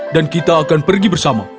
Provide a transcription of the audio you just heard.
dan kita akan pergi bersama